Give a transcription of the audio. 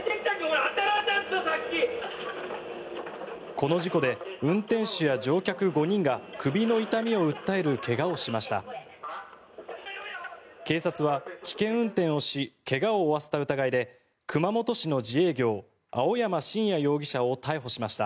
この事故で運転手や乗客５人が首の痛みを訴える怪我をしました。